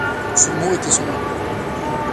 Ce mot était son nom.